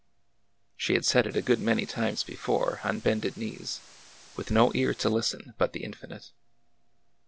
She had said it a good many times before, on bended knees, with no ear to listen but the Infinite.